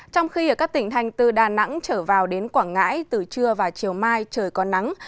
trong khi ở các tỉnh thành từ đà nẵng trở vào đến quảng ngãi từ trưa và chiều mai trời có nắng